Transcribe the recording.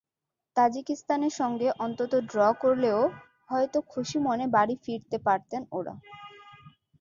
তাজিকিস্তানের সঙ্গে অন্তত ড্র করলেও হয়তো খুশি মনে বাড়ি ফিরতে পারতেন ওরা।